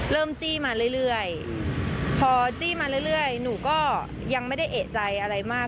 จี้มาเรื่อยพอจี้มาเรื่อยหนูก็ยังไม่ได้เอกใจอะไรมาก